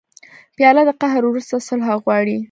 پیاله د قهر وروسته صلح غواړي.